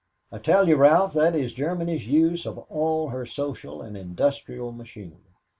I tell you, Ralph, that is Germany's use for all her social and industrial machinery.